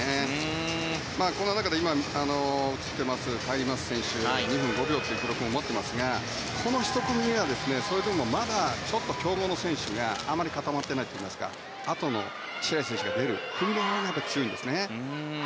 この中ではカイリー・マス選手は２分５秒という記録を持っていますがこの１組目はそれでもまだ強豪の選手があまり固まってないといいますかあとの白井選手が出る組のほうが強いんですね。